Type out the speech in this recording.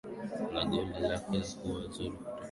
Na goli lake kuwa zuri kutokea kwenye mashindano hayo